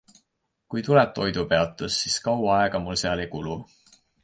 Kui tuleb toidupeatus, siis kaua aega mul seal ei kulu.